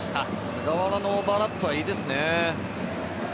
菅原のオーバーラップはいいですね。